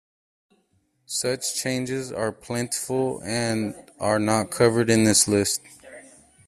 Such changes are plentiful and are not covered in this list.